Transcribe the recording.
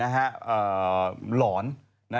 หลอน